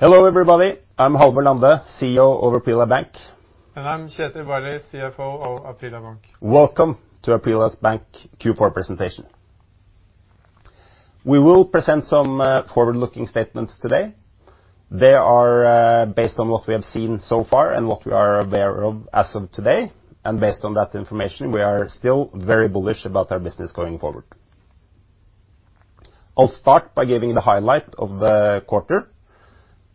Hello everybody, I'm Halvor Lande, CEO of Aprila Bank. I'm Kjetil Barli, CFO of Aprila Bank. Welcome to Aprila Bank's Q4 presentation. We will present some forward-looking statements today. They are based on what we have seen so far and what we are aware of as of today. Based on that information, we are still very bullish about our business going forward. I'll start by giving the highlight of the quarter.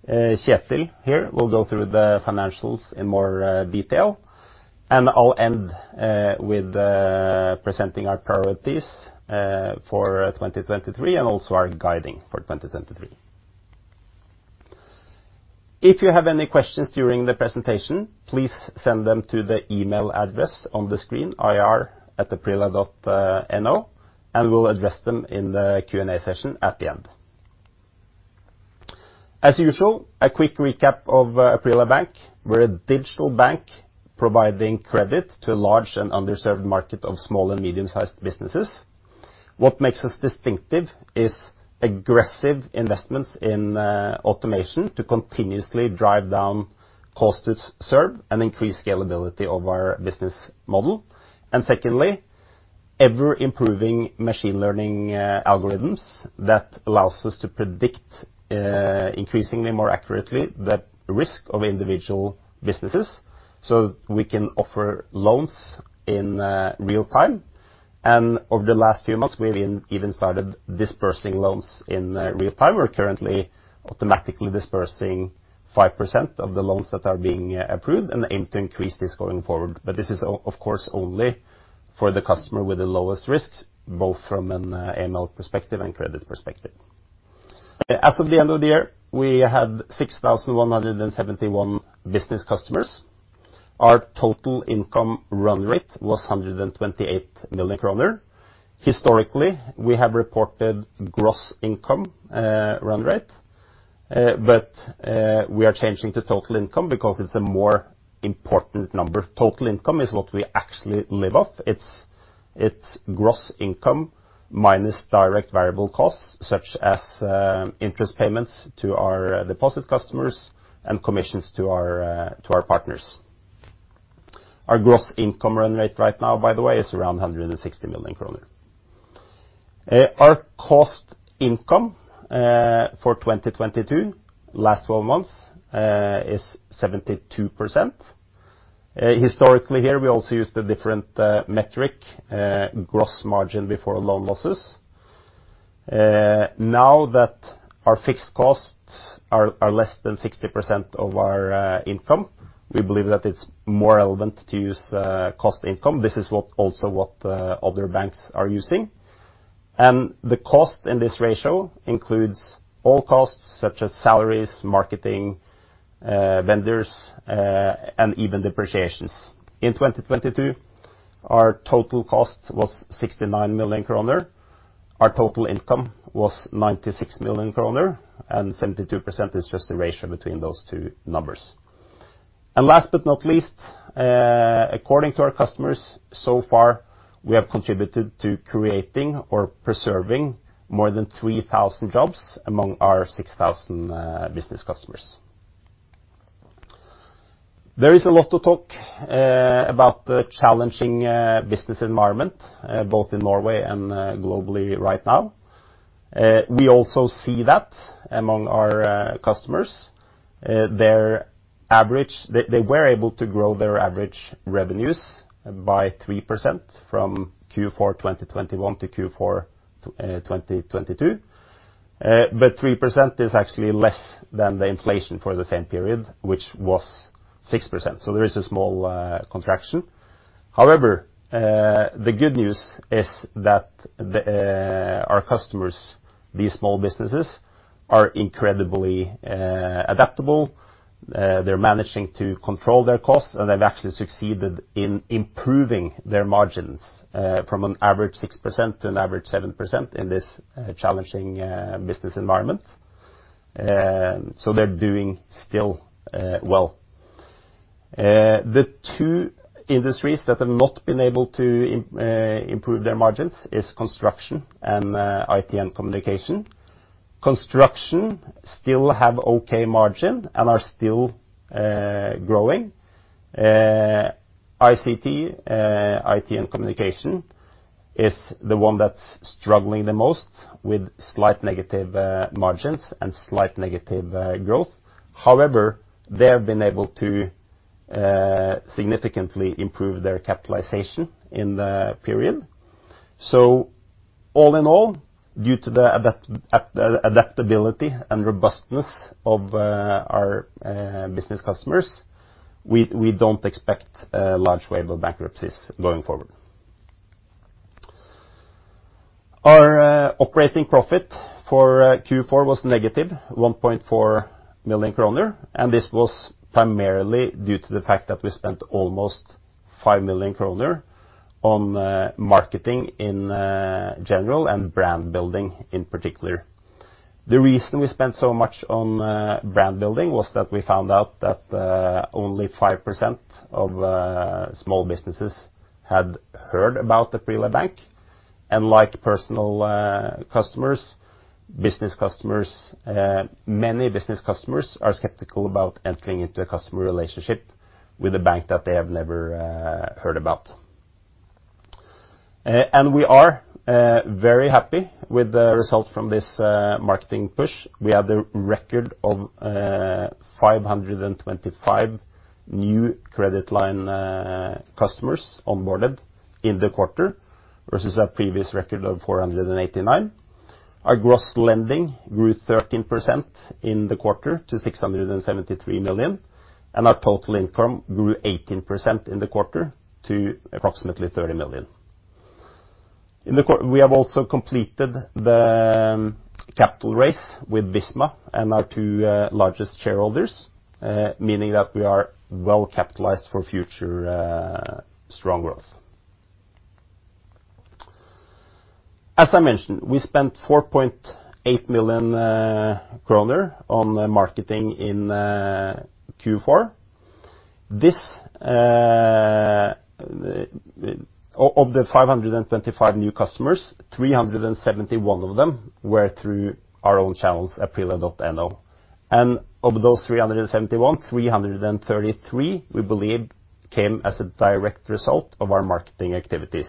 Kjetil here will go through the financials in more detail, and I'll end with presenting our priorities for 2023 and also our guiding for 2023. If you have any questions during the presentation, please send them to the email address on the screen, ir@aprila.no, and we'll address them in the Q&A session at the end. As usual, a quick recap of Aprila Bank. We're a digital bank providing credit to a large and underserved market of small and medium-sized businesses. What makes us distinctive is aggressive investments in automation to continuously drive down cost to serve and increase scalability of our business model. Secondly, ever-improving machine learning algorithms that allows us to predict increasingly more accurately the risk of individual businesses so we can offer loans in real-time. Over the last few months, we even started dispersing loans in real-time. We're currently automatically dispersing 5% of the loans that are being approved and aim to increase this going forward. This is of course only for the customer with the lowest risk, both from an AML perspective and credit perspective. As of the end of the year, we had 6,171 business customers. Our total income run rate was 128 million kroner. Historically, we have reported gross income run rate. We are changing to total income because it's a more important number. Total income is what we actually live off. It's gross income minus direct variable costs, such as interest payments to our deposit customers and commissions to our partners. Our gross income run rate right now, by the way, is around 160 million kroner. Our cost/income for 2022, last 12 months, is 72%. Historically here, we also used a different metric, gross margin before loan losses. Now that our fixed costs are less than 60% of our income, we believe that it's more relevant to use cost/income. This is also what other banks are using. The cost in this ratio includes all costs such as salaries, marketing, vendors, and even depreciations. In 2022, our total cost was 69 million kroner. Our total income was 96 million kroner, and 72% is just the ratio between those two numbers. Last but not least, according to our customers, so far, we have contributed to creating or preserving more than 3,000 jobs among our 6,000 business customers. There is a lot of talk about the challenging business environment both in Norway and globally right now. We also see that among our customers, they were able to grow their average revenues by 3% from Q4 2021 to Q4 2022. 3% is actually less than the inflation for the same period, which was 6%. There is a small contraction. However, the good news is that the our customers, these small businesses, are incredibly adaptable. They're managing to control their costs, and they've actually succeeded in improving their margins, from an average 6% to an average 7% in this challenging business environment. They're doing still well. The two industries that have not been able to improve their margins is construction and IT and communication. Construction still have okay margin and are still growing. ICT, IT and communication is the one that's struggling the most with slight negative margins and slight negative growth. They have been able to significantly improve their capitalization in the period. All in all, due to the adaptability and robustness of our business customers, we don't expect a large wave of bankruptcies going forward. Our operating profit for Q4 was negative 1.4 million kroner, and this was primarily due to the fact that we spent almost 5 million kroner on marketing in general and brand building in particular. The reason we spent so much on brand building was that we found out that only 5% of small businesses had heard about Aprila Bank. Unlike personal customers, business customers, many business customers are skeptical about entering into a customer relationship with a bank that they have never heard about. We are very happy with the result from this marketing push. We have the record of 525 new Credit Line customers onboarded in the quarter, versus our previous record of 489. Our gross lending grew 13% in the quarter to 673 million, and our total income grew 18% in the quarter to approximately 30 million. We have also completed the capital raise with Visma and our two largest shareholders, meaning that we are well capitalized for future strong growth. As I mentioned, we spent 4.8 million kroner on marketing in Q4. This, of the 525 new customers, 371 of them were through our own channels, aprila.no. Of those 371, 333 we believe came as a direct result of our marketing activities.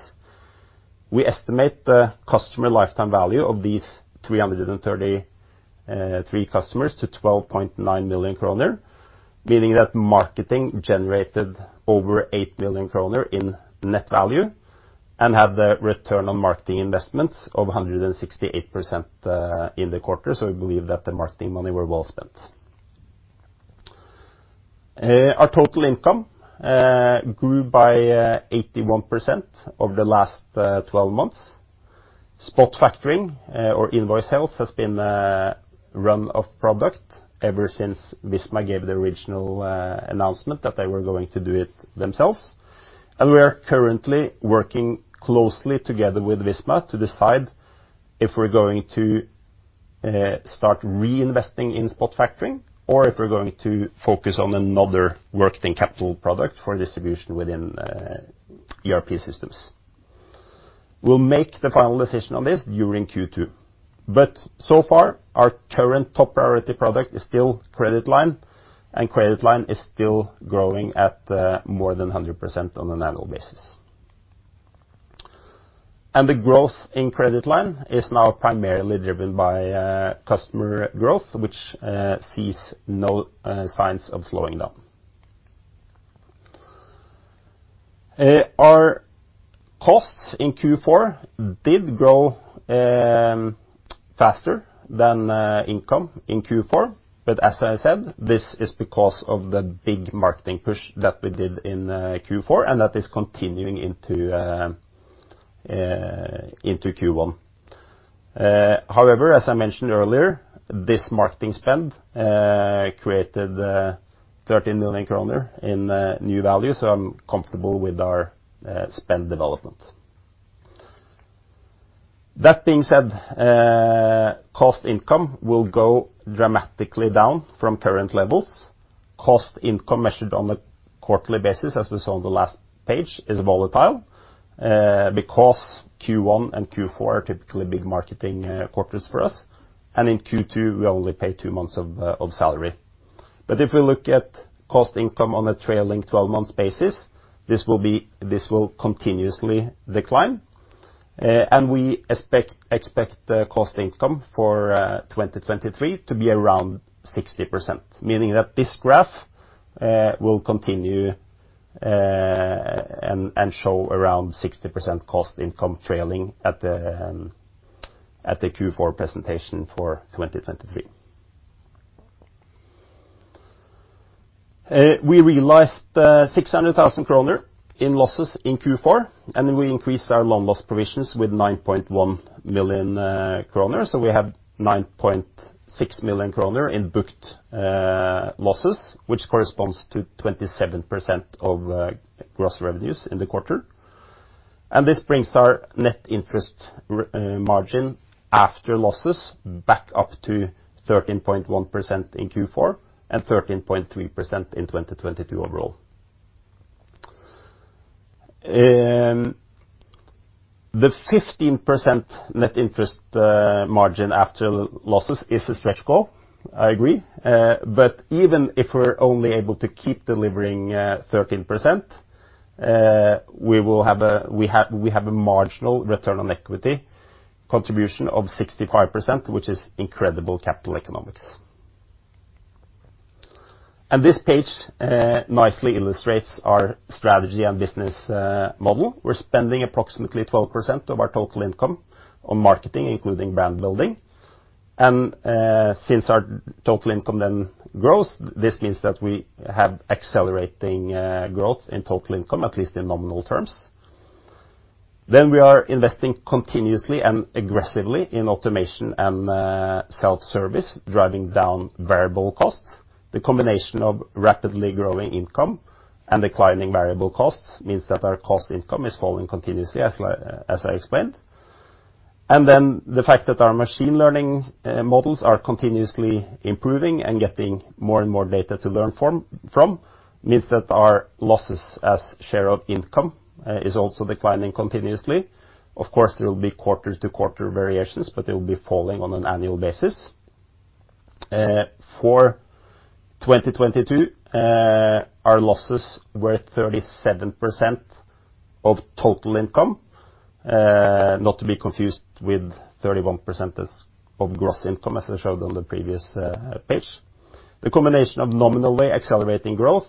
We estimate the customer lifetime value of these 333 customers to 12.9 million kroner, meaning that marketing generated over 8 million kroner in net value and had the return on marketing investment of 168% in the quarter. We believe that the marketing money were well spent. Our total income grew by 81% over the last 12 months. Spot factoring, or invoice sales has been a run-off product ever since Visma gave the original announcement that they were going to do it themselves. We are currently working closely together with Visma to decide if we're going to start reinvesting in spot factoring or if we're going to focus on another working capital product for distribution within ERP systems. We'll make the final decision on this during Q2. So far, our current top priority product is still Credit Line, and Credit Line is still growing at more than 100% on an annual basis. The growth in Credit Line is now primarily driven by customer growth, which sees no signs of slowing down. Our costs in Q4 did grow faster than income in Q4, but as I said, this is because of the big marketing push that we did in Q4, and that is continuing into Q1. As I mentioned earlier, this marketing spend created 13 million kroner in new value, so I'm comfortable with our spend development. That being said, cost/income will go dramatically down from current levels. Cost income measured on a quarterly basis, as we saw on the last page, is volatile, because Q1 and Q4 are typically big marketing quarters for us, and in Q2, we only pay two months of salary. If we look at cost income on a trailing 12-month basis, this will continuously decline. We expect the cost income for 2023 to be around 60%, meaning that this graph will continue and show around 60% cost income trailing at the Q4 presentation for 2023. We realized 600,000 kroner in losses in Q4, and we increased our loan loss provisions with 9.1 million kroner, so we have 9.6 million kroner in booked losses, which corresponds to 27% of gross revenues in the quarter. This brings our net interest margin after losses back up to 13.1% in Q4 and 13.3% in 2022 overall. The 15% net interest margin after losses is a stretch goal, I agree. Even if we're only able to keep delivering 13%, we have a marginal return on equity contribution of 65%, which is incredible capital economics. This page nicely illustrates our strategy and business model. We're spending approximately 12% of our total income on marketing, including brand building. Since our total income then grows, this means that we have accelerating growth in total income, at least in nominal terms. We are investing continuously and aggressively in automation and self-service, driving down variable costs. The combination of rapidly growing income and declining variable costs means that our cost income is falling continuously, as I explained. The fact that our machine learning models are continuously improving and getting more and more data to learn from means that our losses as share of income is also declining continuously. Of course, there will be quarter-to-quarter variations, but they will be falling on an annual basis. For 2022, our losses were 37% of total income, not to be confused with 31% of gross income, as I showed on the previous page. The combination of nominally accelerating growth,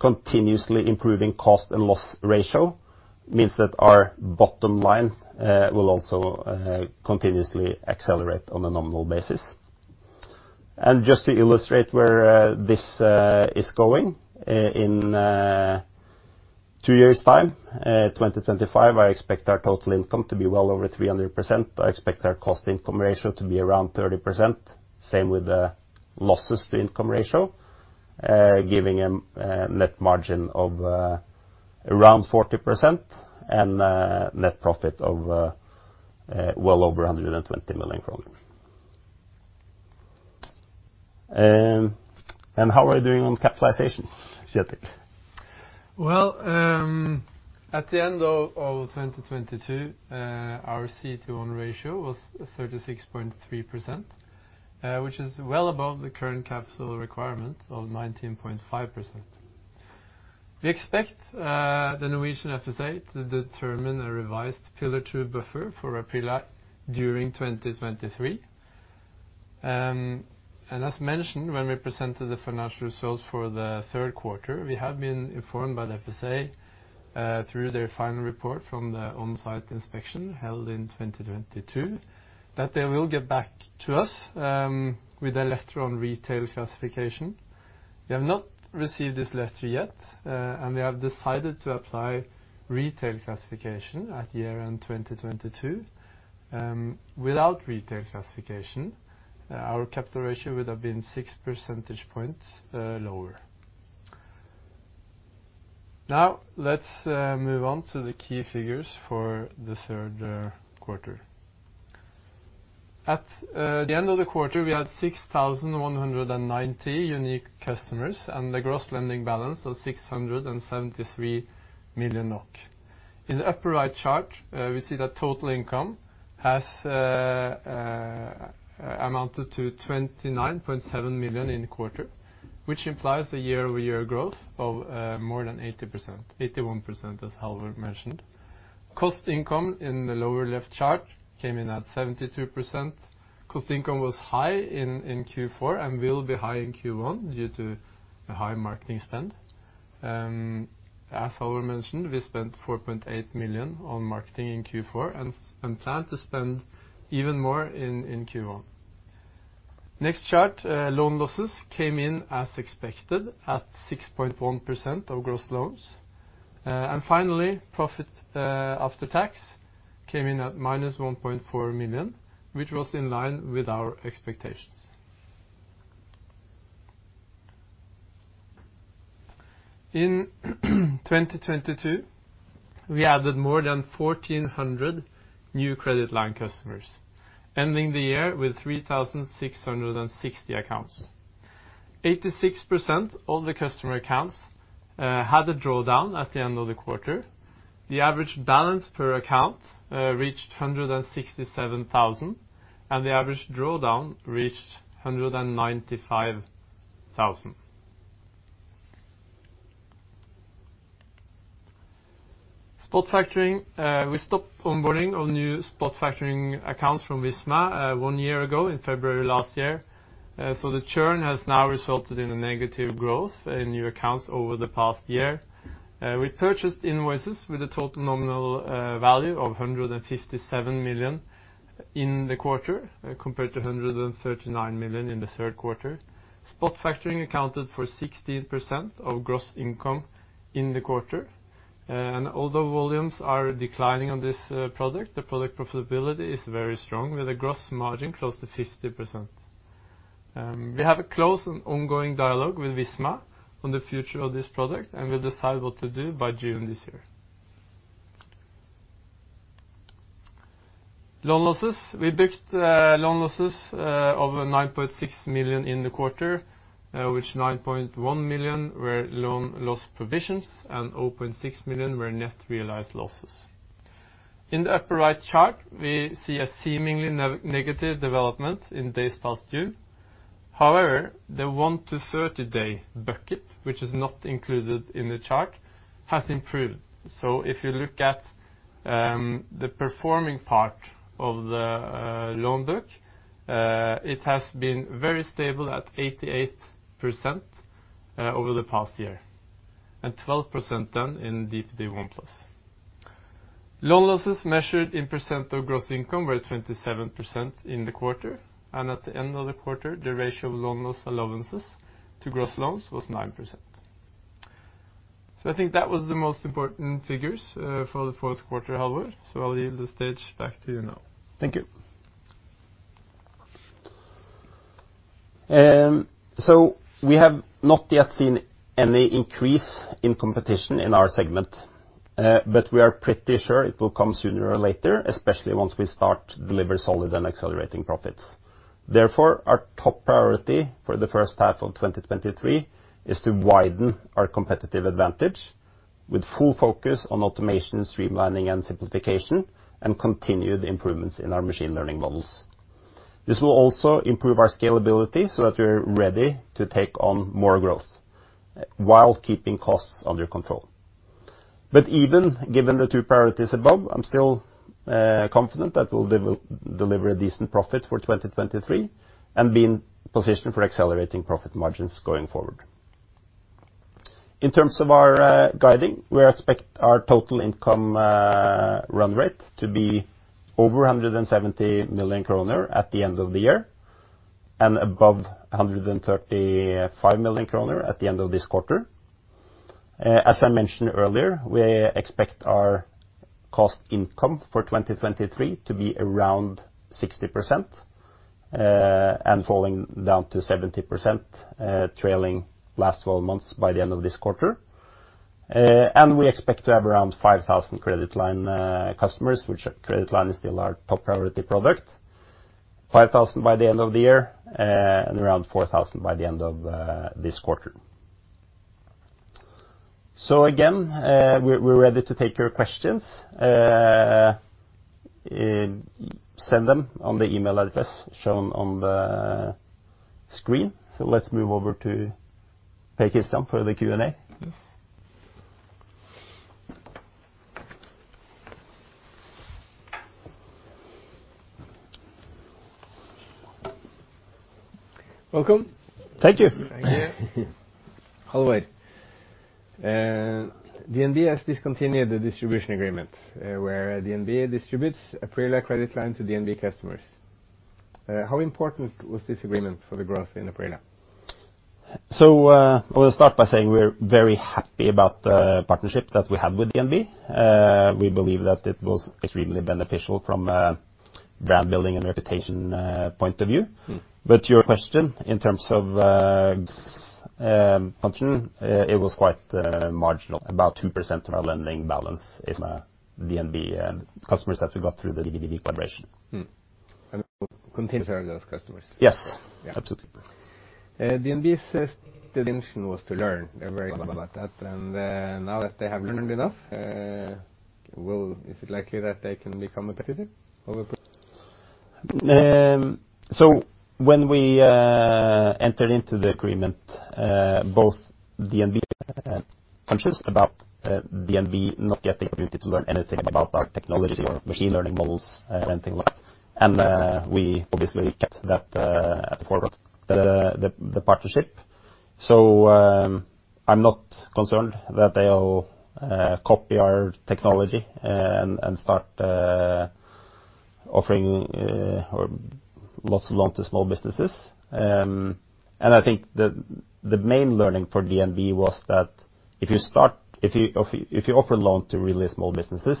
continuously improving cost and loss ratio means that our bottom line will also continuously accelerate on a nominal basis. Just to illustrate where this is going, in two years' time, 2025, I expect our total income to be well over 300%. I expect our cost/income ratio to be around 30%, same with the losses to income ratio, giving a net margin of around 40% and net profit of well over 120 million kroner. How are you doing on capitalization, Kjetil Barli? Well, at the end of 2022, our CET1 ratio was 36.3%, which is well above the current capital requirement of 19.5%. We expect the Norwegian FSA to determine a revised Pillar 2 buffer for Aprila during 2023. As mentioned, when we presented the financial results for the 3rd quarter, we have been informed by the FSA, through their final report from the on-site inspection held in 2022, that they will get back to us, with a letter on retail classification. We have not received this letter yet, and we have decided to apply retail classification at year-end 2022. Without retail classification, our capital ratio would have been six percentage points, lower. Now, let's move on to the key figures for the 3rd quarter. At the end of the quarter, we had 6,190 unique customers and the gross lending balance of 673 million NOK. In the upper right chart, we see that total income has amounted to 29.7 million in the quarter, which implies the year-over-year growth of more than 80%, 81%, as Halvor mentioned. cost/income in the lower left chart came in at 72%. cost/income was high in Q4 and will be high in Q1 due to the high marketing spend. As Halvor mentioned, we spent 4.8 million on marketing in Q4 and plan to spend even more in Q1. Next chart, loan losses came in as expected at 6.1% of gross loans. Finally, profit after tax came in at -1.4 million, which was in line with our expectations. In 2022, we added more than 1,400 new Credit Line customers, ending the year with 3,660 accounts. 86% of the customer accounts had a drawdown at the end of the quarter. The average balance per account reached 167,000, and the average drawdown reached 195,000. spot factoring, we stopped onboarding all new spot factoring accounts from Visma one year ago in February last year. The churn has now resulted in a negative growth in new accounts over the past year. We purchased invoices with a total nominal value of 157 million in the quarter compared to 139 million in the third quarter. Spot factoring accounted for 16% of gross income in the quarter. Although volumes are declining on this product, the product profitability is very strong with a gross margin close to 50%. We have a close and ongoing dialogue with Visma on the future of this product, and we'll decide what to do by June this year. Loan losses. We booked loan losses over 9.6 million in the quarter, which 9.1 million were loan loss provisions and 0.6 million were net realized losses. In the upper right chart, we see a seemingly negative development in days past due. However, the 1-30-day bucket, which is not included in the chart, has improved. If you look at the performing part of the loan book, it has been very stable at 88% over the past year, and 12% done in DPD 1+. Loan losses measured in percent of gross income were 27% in the quarter, and at the end of the quarter, the ratio of loan loss allowances to gross loans was 9%. I think that was the most important figures for the 4th quarter, Halvor, I'll yield the stage back to you now. Thank you. We have not yet seen any increase in competition in our segment, but we are pretty sure it will come sooner or later, especially once we start to deliver solid and accelerating profits. Therefore, our top priority for the first half of 2023 is to widen our competitive advantage with full focus on automation, streamlining, and simplification, and continued improvements in our machine learning models. This will also improve our scalability so that we're ready to take on more growth while keeping costs under control. Even given the two priorities above, I'm still confident that we'll deliver a decent profit for 2023 and be in position for accelerating profit margins going forward. In terms of our guiding, we expect our total income run rate to be over 170 million kroner at the end of the year and above 135 million kroner at the end of this quarter. As I mentioned earlier, we expect our cost/income for 2023 to be around 60% and falling down to 70% trailing last twelve months by the end of this quarter. And we expect to have around 5,000 Credit Line customers, which Credit Line is still our top priority product. 5,000 by the end of the year and around 4,000 by the end of this quarter. Again, we're ready to take your questions. Send them on the email address shown on the screen. Let's move over to Pakistan for the Q&A. Yes. Welcome. Thank you. Thank you. Halvor, DNB has discontinued the distribution agreement, where DNB distributes a Aprila Credit Line to DNB customers. How important was this agreement for the growth in Aprila? I will start by saying we're very happy about the partnership that we have with DNB. We believe that it was extremely beneficial from a brand building and reputation, point of view. Mm. To your question, in terms of function, it was quite marginal. About 2% of our lending balance is DNB and customers that we got through the DNB collaboration. You will continue to serve those customers? Yes. Yeah. Absolutely. DNB says the intention was to learn. They're very clear about that. Now that they have learned enough, is it likely that they can become a competitor over time? When we entered into the agreement, both DNB conscious about DNB not getting the opportunity to learn anything about our technology or machine learning models, anything like that. We obviously kept that at the forefront, the partnership. I'm not concerned that they'll copy our technology and start offering lots of loans to small businesses. I think the main learning for DNB was that if you offer loan to really small businesses,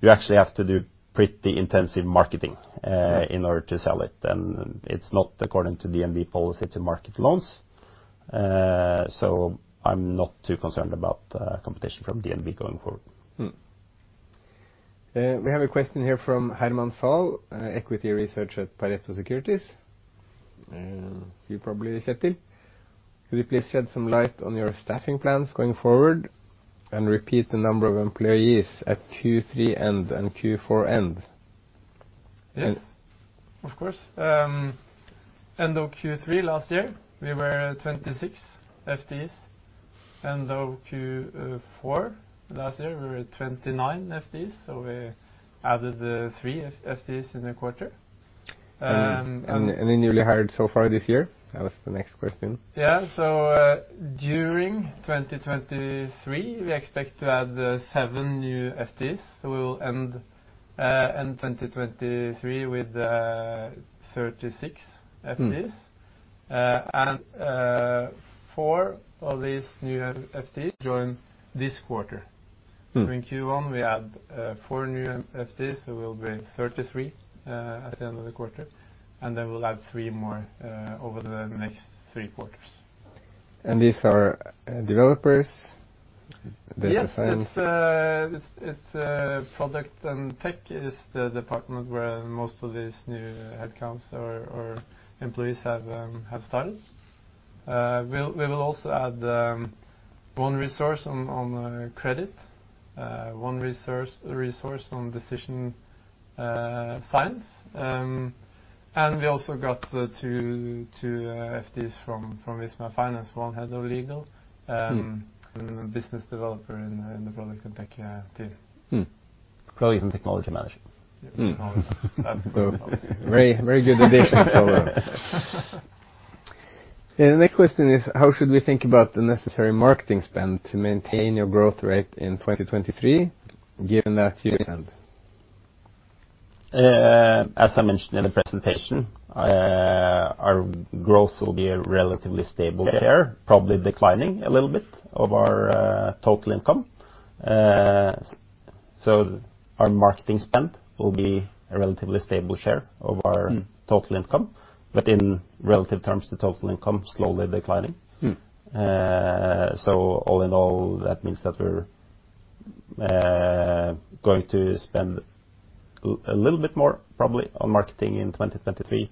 you actually have to do pretty intensive marketing in order to sell it, and it's not according to DNB policy to market loans. I'm not too concerned about competition from DNB going forward. We have a question here from Herman Saul, equity research at Pareto Securities. You probably Kjetil. Could you please shed some light on your staffing plans going forward and repeat the number of employees at Q3 end and Q4 end? Yes. And- Of course. End of Q3 last year, we were at 26 FTEs. End of Q4 last year, we were at 29 FTEs, so we added three FTEs in the quarter. Any newly hired so far this year? That was the next question. During 2023, we expect to add seven new FTEs, we'll end 2023 with 36 FTEs. Mm. Four of these new FTEs join this quarter. Mm. In Q1, we add, four new FTEs, so we'll be at 33, at the end of the quarter. Then we'll add three more, over the next three quarters. These are, developers? Data science- Yes, it's product and tech is the department where most of these new headcounts or employees have started. We will also add one resource on credit, one resource on decision science. We also got two FTEs from Visma Finance, one head of legal... Mm and business developer in the product and tech team. Product and technology management. Mm. That's good. Very, very good addition. The next question is, how should we think about the necessary marketing spend to maintain your growth rate in 2023, given that you can? As I mentioned in the presentation, our growth will be relatively stable here, probably declining a little bit of our total income. Our marketing spend will be a relatively stable share of our. Mm. Total income, but in relative terms, the total income slowly declining. Mm. All in all, that means that we're going to spend a little bit more probably on marketing in 2023,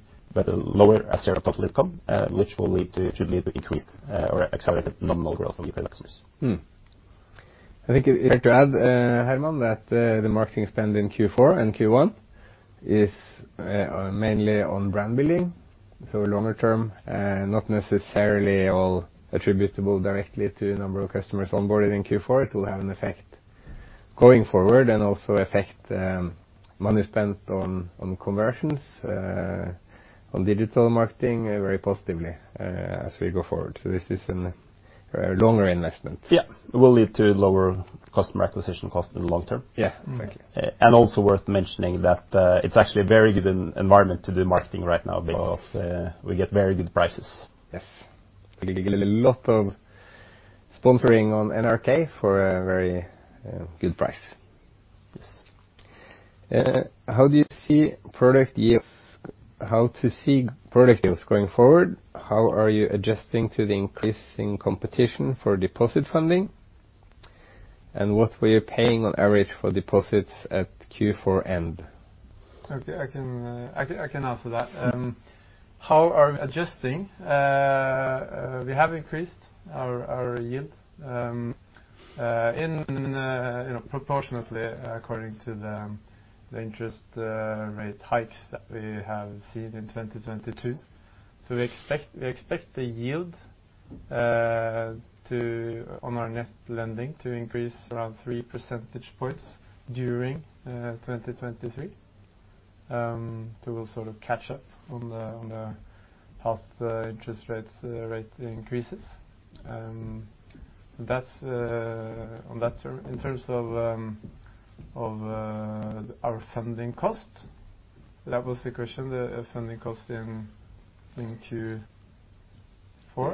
lower as total income, which should lead to increased or accelerated nominal growth of new paid customers. I think it's fair to add, Halvor that, the marketing spend in Q4 and Q1 is, mainly on brand building, so longer-term, not necessarily all attributable directly to number of customers onboarded in Q4. It will have an effect going forward and also affect, money spent on conversions, on digital marketing, very positively, as we go forward. This is a longer investment. It will lead to lower customer acquisition cost in the long-term. Yeah. Thank you. Also worth mentioning that, it's actually a very good environment to do marketing right now because, we get very good prices. Yes. A lot of sponsoring on NRK for a very good price. Yes. How do you see product yields going forward? How are you adjusting to the increasing competition for deposit funding? What were you paying on average for deposits at Q4 end? Okay, I can answer that. How are we adjusting? We have increased our yield, in, you know, proportionately according to the interest rate hikes that we have seen in 2022. We expect the yield on our net lending to increase around three percentage points during 2023, to sort of catch up on the past interest rates, rate increases. That's on that term. In terms of our funding cost, that was the question, the funding cost in Q4?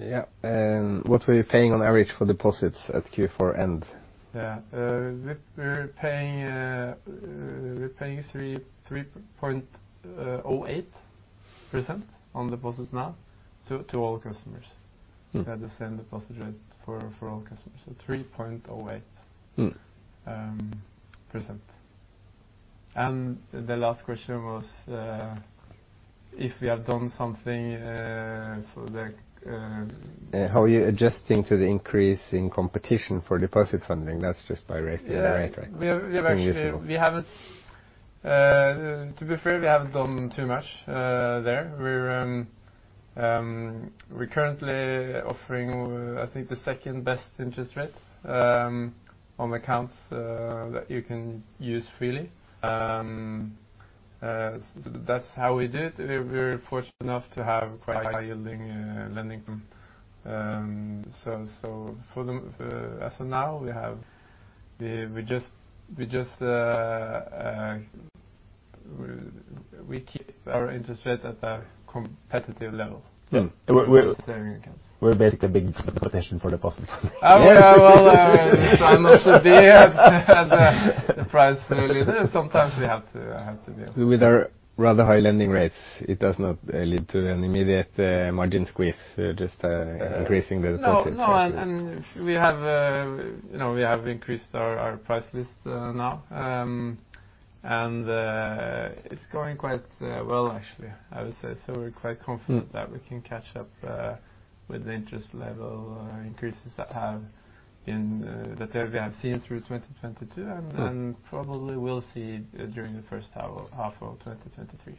Yeah. What were you paying on average for deposits at Q4 end? Yeah. We're paying 3.08% on deposits now to all customers. Mm. We have the same deposit rate for all customers. 3.08%. Mm... %. The last question was, if we have done something, for the. How are you adjusting to the increase in competition for deposit funding? That's just by raising the rate, right? Yeah. We have. Interesting. We haven't, to be fair, we haven't done too much there. We're currently offering, I think the second-best interest rates on accounts that you can use freely. That's how we did. We're fortunate enough to have quite high yielding lending. As of now, we just keep our interest rate at a competitive level. Mm. We're- Saving accounts. We're basically a big competition for deposits. Well, we try not to be at the price leader. Sometimes we have to be. With our rather high lending rates, it does not lead to an immediate, margin squeeze, just increasing the deposit rate. No, no. We have, you know, we have increased our price list, now. It's going quite well, actually, I would say. We're quite confident... Mm that we can catch up, with the interest level, increases that have been, that we have seen through 2022, Mm... Then probably will see during the first half of 2023.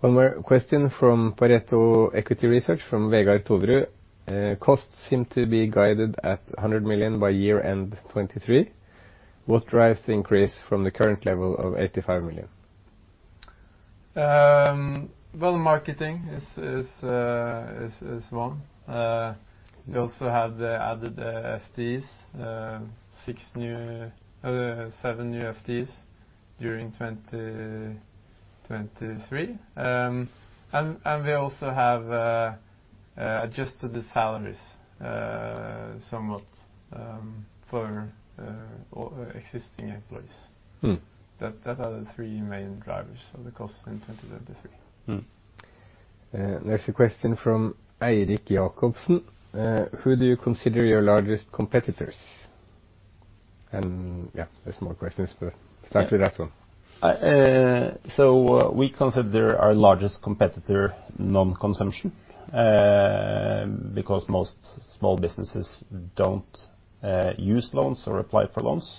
One more question from Pareto Equity Research from Vegard Toverud. Costs seem to be guided at 100 million by year-end 2023. What drives the increase from the current level of 85 million? Well, marketing is one. We also have added STDs, seven new STDs during 2023. We also have adjusted the salaries somewhat for existing employees. Mm. That are the three main drivers of the cost in 2023. next question from Eric Jacobson. who do you consider your largest competitors? yeah, there's more questions, but start with that one. We consider our largest competitor non-consumption because most small businesses don't use loans or apply for loans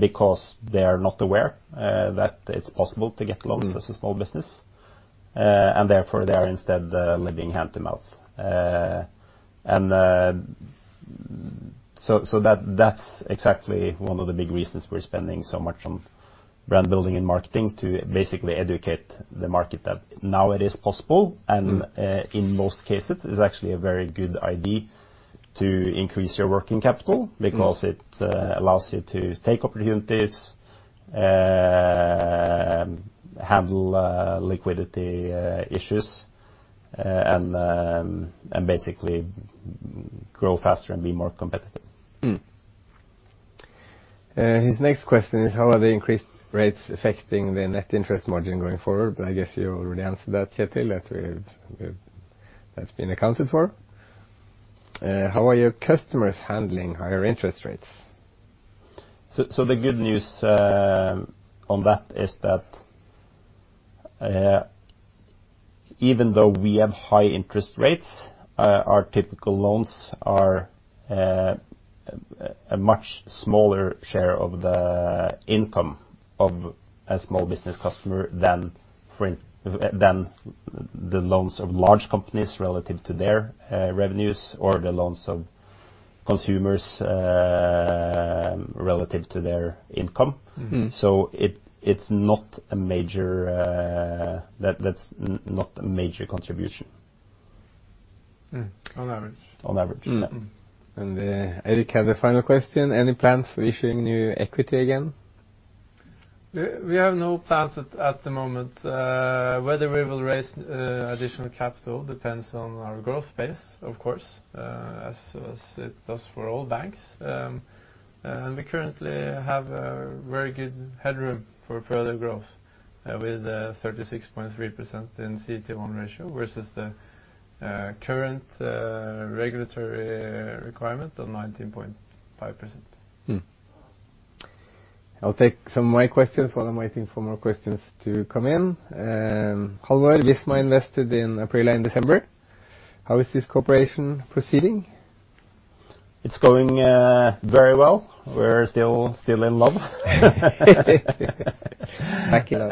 because they are not aware that it's possible to get loans. Mm... as a small business, and therefore they are instead living hand to mouth. That's exactly one of the big reasons we're spending so much on brand building and marketing to basically educate the market that now it is possible. Mm... in most cases is actually a very good idea to increase your working capital- Mm because it allows you to take opportunities, handle liquidity issues, and basically grow faster and be more competitive. His next question is how are the increased rates affecting the net interest margin going forward? I guess you already answered that, Kjetil. That that's been accounted for. How are your customers handling higher interest rates? The good news on that is that even though we have high interest rates, our typical loans are a much smaller share of the income of a small business customer than the loans of large companies relative to their revenues or the loans of consumers relative to their income. Mm-hmm. It's not a major. That's not a major contribution. Mm. On average. On average. Mm. Yeah. Eric had a final question. Any plans for issuing new equity again? We have no plans at the moment. Whether we will raise additional capital depends on our growth pace, of course, as it does for all banks. We currently have a very good headroom for further growth with a 36.3% in CET1 ratio versus the current regulatory requirement of 19.5%. I'll take some of my questions while I'm waiting for more questions to come in. Halvor, Visma invested in Aprila in December. How is this cooperation proceeding? It's going, very well. We're still in love. Thank you.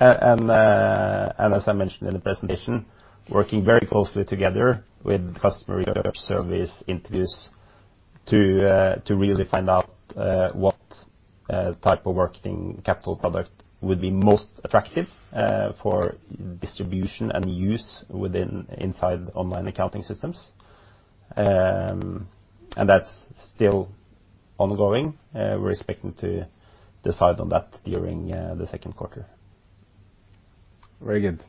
As I mentioned in the presentation, working very closely together with customer research service interviews to really find out what type of working capital product would be most attractive for distribution and use inside online accounting systems. That's still ongoing. We're expecting to decide on that during the second quarter. Very good.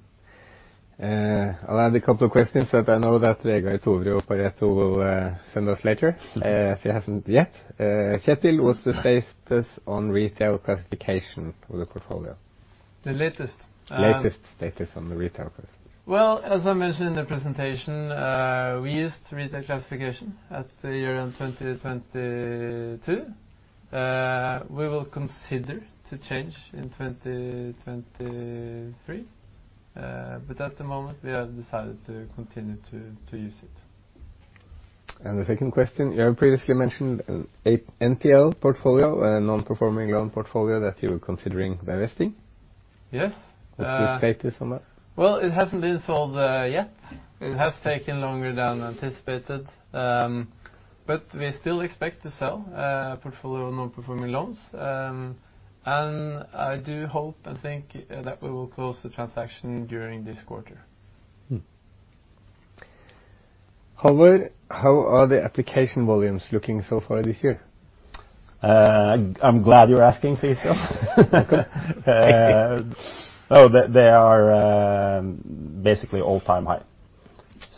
I'll add a couple of questions that I know that Vegard, Toverud, and Pareto will send us later. If they haven't yet. Kjetil, what's the status on retail classification of the portfolio? The latest. Latest status on the retail classification. Well, as I mentioned in the presentation, we used retail classification at the year end 2022. We will consider to change in 2023. At the moment, we have decided to continue to use it. The second question, you have previously mentioned an NPL portfolio, a non-performing loan portfolio that you were considering divesting. Yes. What's the status on that? It hasn't been sold yet. It has taken longer than anticipated. We still expect to sell a portfolio of non-performing loans. I do hope and think that we will close the transaction during this quarter. Halvor, how are the application volumes looking so far this year? I'm glad you're asking, Fiso. Thank you. Oh, they are basically all-time high.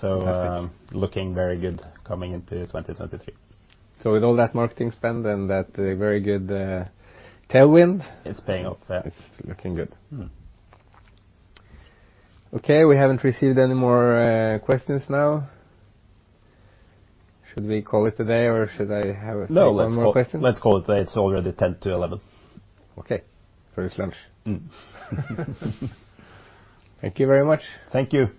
Perfect. Looking very good coming into 2023. With all that marketing spend and that, very good, tailwind. It's paying off. Yeah.... it's looking good. Mm. Okay. We haven't received any more questions now. Should we call it a day, or should I have a few more questions? No, let's call it a day. It's already 10:50 A.M. Okay. First lunch. Thank you very much. Thank you.